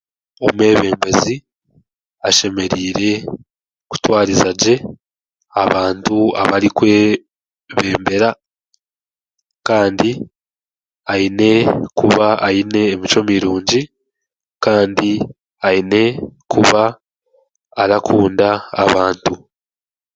Omwebembezi ashemereire kutwarizagye abantu abarikwebembera kandi aine kuba aine emicwe mirungi kandi aine kuba arakunda abantu.